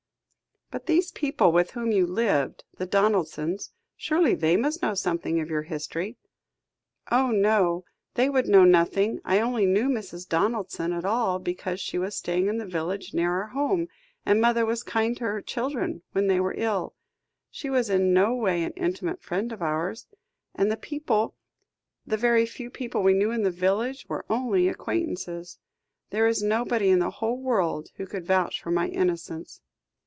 "But these people with whom you lived the Donaldsons. Surely they must know something of your history?" "Oh! no, they would know nothing. I only knew Mrs. Donaldson at all, because she was staying in the village near our home, and mother was kind to her children, when they were ill. She was in no way an intimate friend of ours. And the people the very few people we knew in the village, were only acquaintances. There is nobody in the whole world who could vouch for my innocence."